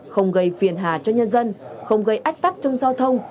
không gây phiền hà cho nhân dân không gây ách tắc trong giao thông